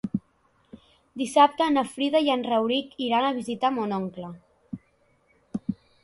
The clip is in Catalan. Dissabte na Frida i en Rauric iran a visitar mon oncle.